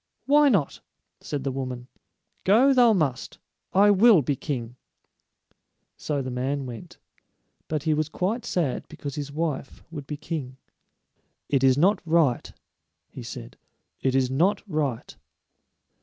"Why not?" said the woman. "Go thou must. I will be king." So the man went; but he was quite sad because his wife would be king. "It is not right," he said; "it is not right."